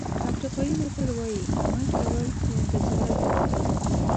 افریقایي متل وایي عمل کول له انتظار غوره دي.